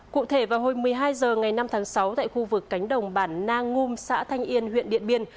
cụ thể vào hồi một mươi hai h ngày năm tháng sáu tại khu vực cánh đồng bản nang ngum xã thanh yên huyện điện biên